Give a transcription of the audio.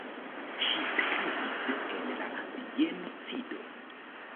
Ŝi pereis en la genocido.